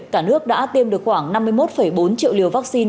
cả nước đã tiêm được khoảng năm mươi một bốn triệu liều vaccine